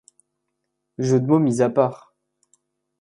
jeux de mots mis à part.